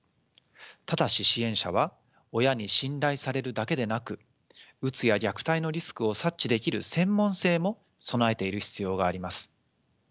ただし支援者は親に信頼されるだけでなくうつや虐待のリスクを察知できる専門性も備えている必要があります。